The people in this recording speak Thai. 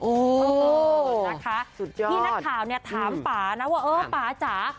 โอ้โหนะคะที่นักข่าวเนี้ยถามป๊านะว่าเออป๊าจ๋า